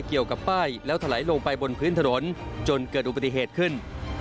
ทะเลลงไปบนพื้นถนนจนเกิดอุบัติเหตุขึ้น